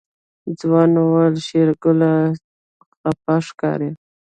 ځوان وويل شېرګل خپه ښکاري.